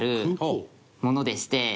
ものでして。